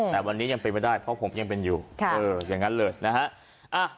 แต่วันนี้ยังเป็นไปได้เพราะผมยังเป็นอยู่อย่างนั้นเลยนะฮะ